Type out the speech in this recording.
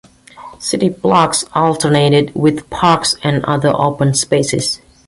City blocks alternated with parks and other open spaces.